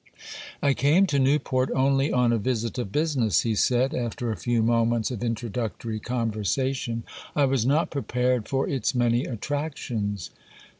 'I came to Newport only on a visit of business,' he said, after a few moments of introductory conversation; 'I was not prepared for its many attractions.